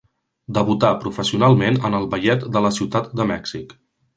Debutà professionalment en el Ballet de la Ciutat de Mèxic.